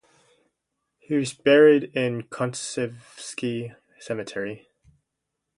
He is buried in Kuntsevsky cemetery.